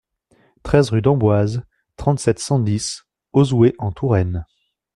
treize rue d'Amboise, trente-sept, cent dix, Auzouer-en-Touraine